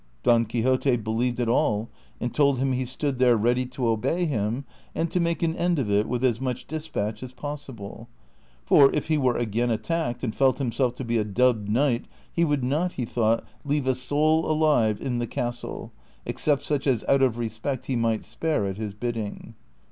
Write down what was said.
Don Quixote believed it all, and told him he stood there ready to obey him, and to make an end of it with as much despatch as possible; for, if he were again attacked, and felt himself to be a dubbed knight, he would not, he thought, leave a soul alive in the castle, ex(tept such as out of respect he might spare at his bidding.